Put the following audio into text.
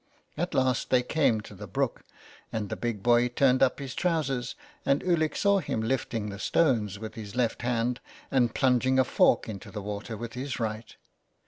At last they came to the brook and the big boy turned up his trousers, and Ulick saw him lifting the stones with his left hand and plunging a fork into the water with his right.